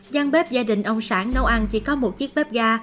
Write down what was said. gian bếp gia đình ông sản nấu ăn chỉ có một chiếc bếp ga